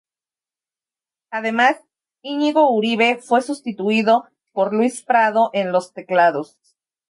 Además, Íñigo Uribe fue sustituido por Luis Prado en los teclados.